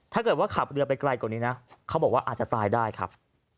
ถ้าเกิดว่าขับเรือไปไกลกว่านี้นะเขาบอกว่าอาจจะตายได้ครับ